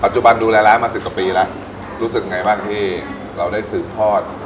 ปัจจุบันดูแลแล้วมา๑๐กว่าปีแล้วรู้สึกยังไงบ้างที่เราได้ซื้อทอด